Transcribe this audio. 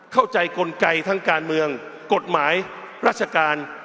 กลไกทั้งการเมืองกฎหมายราชการ